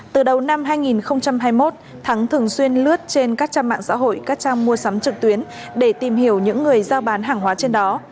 từ đầu năm hai nghìn hai mươi một thắng thường xuyên lướt trên các trang mạng xã hội các trang mua sắm trực tuyến để tìm hiểu những người giao bán hàng hóa trên đó